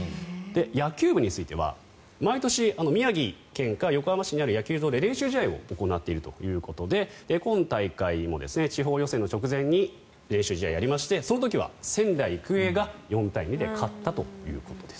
野球部については毎年、宮城県か横浜市にある野球場で練習試合を行っているということで今大会も地方予選の直前に練習試合をやりまして、その時は仙台育英が４対２で勝ったということです。